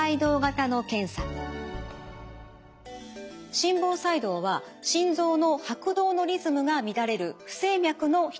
心房細動は心臓の拍動のリズムが乱れる不整脈の一つです。